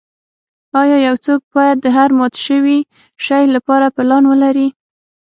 ایا یو څوک باید د هر مات شوي شی لپاره پلان ولري